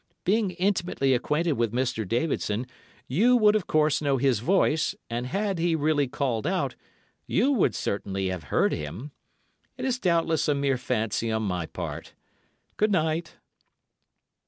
Being intimately acquainted with Mr. Davidson, you would of course know his voice, and had he really called out, you would certainly have heard him. It is doubtless a mere fancy on my part. Good night!